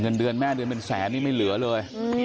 เงินเดือนแม่เดือนเป็นแสนนี่ไม่เหลือเลย